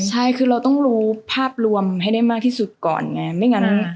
ใช่คือเราต้องรู้ภาพรวมให้ได้มากที่สุดก่อนไงไม่งั้น